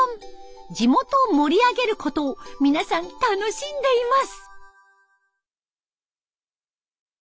地元を盛り上げることを皆さん楽しんでいます。